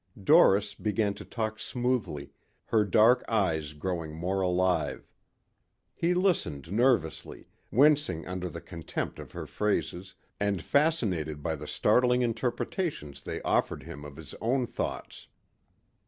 Doris began to talk smoothly, her dark eyes growing more alive. He listened nervously, wincing under the contempt of her phrases and fascinated by the startling interpretations they offered him of his own thoughts.